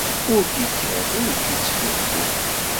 Ur k-ikkat ur k-ittfukku.